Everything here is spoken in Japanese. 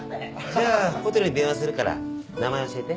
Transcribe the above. じゃあホテルに電話するから名前教えて。